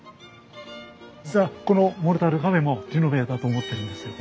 実はこのモルタル壁もリノベだと思ってるんですよ。